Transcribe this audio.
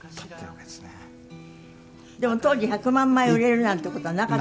でも当時１００万枚売れるなんて事はなかった。